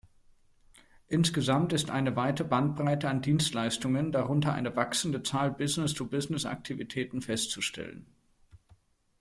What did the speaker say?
Insgesamt ist eine weite Bandbreite an Dienstleistungen, darunter eine wachsende Zahl businee-to-business Aktivitäten, festzustellen.